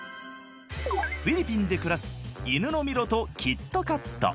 フィリピンで暮らす犬のミロとキットカット。